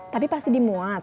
tapi pasti dimuat